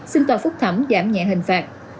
xin tòa phúc thẩm giảm nhẹ hình phạt